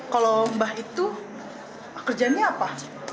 kalau mbak itu kerjanya apa